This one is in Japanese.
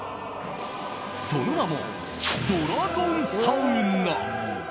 その名も、ドラゴンサウナ！